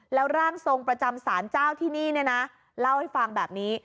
แล้วร่างทรงประจำศาลเจ้าที่นี่เนี่ยนะเล่าให้ฟังแบบนี้